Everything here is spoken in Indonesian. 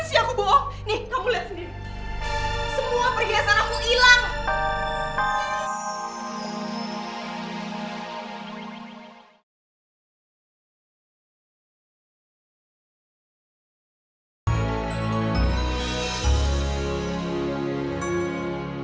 iya ngapain sih aku bohong nih kamu liat sendiri semua perhiasan aku hilang